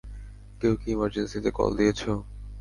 কেউ কি ইমার্জেন্সিতে কল দিয়েছো?